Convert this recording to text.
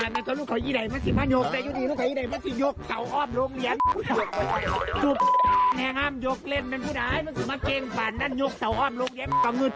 น่ากลุกของไอ้ไหล่มาสิมายกเล่น